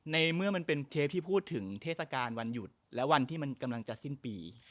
ในเมื่อมันเป็นเทปที่พูดถึงเทศกาลวันหยุดและวันที่มันกำลังจะสิ้นปี